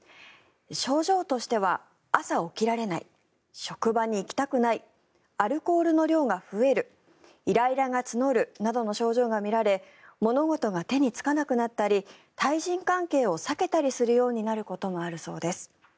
症状としては朝、起きられない職場に行きたくないアルコールの量が増えるイライラが募るなどの症状が見られ物事が手につかなくなったり対人関係を避けたりするようになることもあるそうです。